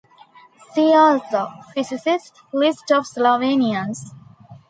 See also: Physicist, List of Slovenians.